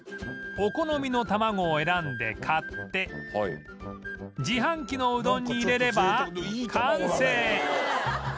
お好みの卵を選んで買って自販機のうどんに入れれば完成